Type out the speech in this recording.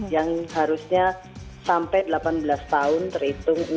yang harusnya sampai delapan belas tahun terhitung